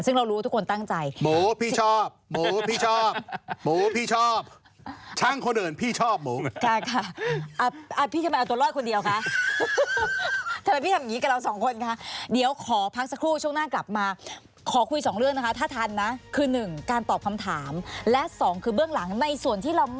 ซึ่งเรารู้ว่าทุกคนตั้งใจ